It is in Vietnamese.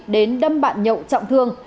đến đâm bạn nhậu trọng thương